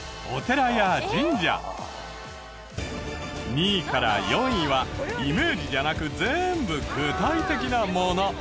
２位から４位はイメージじゃなく全部具体的なもの。